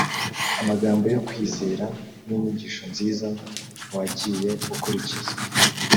amagambo yo kwizera n’inyigisho nziza wagiye ukurikiza